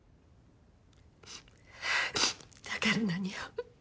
だから何よ。